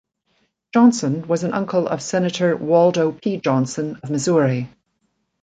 Johnson was an uncle of Senator Waldo P. Johnson of Missouri.